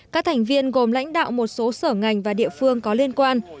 các thành viên gồm lãnh đạo một số sở ngành và địa phương có liên quan